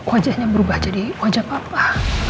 wajahnya berubah jadi wajah papa